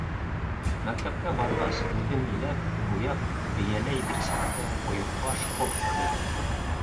Мәктәпкә барғас, үҙем иләп, буяп, бейәләй-бирсәткә, ойоҡбаш, кофта бәйләнем.